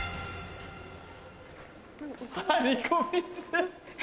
張り込み。